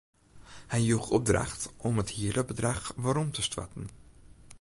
Hy joech opdracht om it hiele bedrach werom te stoarten.